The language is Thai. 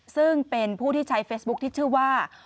ซึ่งเป็นผู้ที่ใช้เฟซบุ๊คที่ชื่อว่า